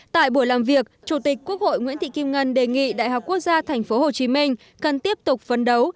tại buổi làm việc chủ tịch quốc hội nguyễn thị kim ngân đề nghị đại học quốc gia tp hcm cần tiếp tục phấn đấu